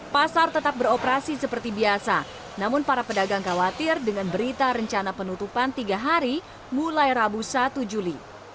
pasar tetap beroperasi seperti biasa namun para pedagang khawatir dengan berita rencana penutupan tiga hari mulai rabu satu juli